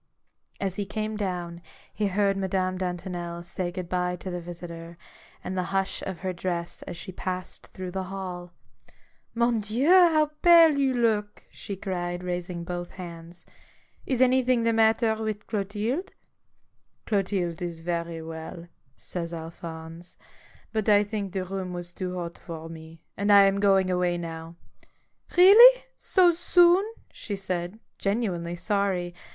As he came down, he heard Madame Dantonel say good bye to the visitor, and the hush of her dress as she passed through the hall. " Mon Dieu! how pale you look!" she cried, raising both hands. u Is anything the matter with Clotilde ?"" Clotilde is very well," says Alphonse. " But I think the room was too hot for me, and I am going away now." " Really ! so soon ?" she said, genuinely sorry.